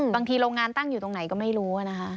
โรงงานตั้งอยู่ตรงไหนก็ไม่รู้นะคะ